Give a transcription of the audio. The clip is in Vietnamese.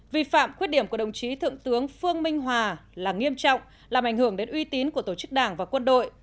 vi phạm khuyết điểm của đồng chí thượng tướng phương minh hòa là nghiêm trọng làm ảnh hưởng đến uy tín của tổ chức đảng và quân đội